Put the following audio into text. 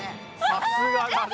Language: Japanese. さすがだね。